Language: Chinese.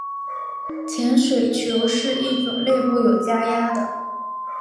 潜水球是一种内部有加压的。